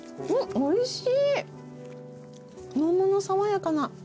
おいしい。